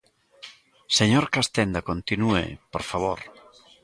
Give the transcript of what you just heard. Señor Castenda, continúe, por favor.